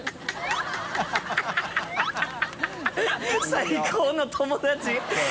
最高の友達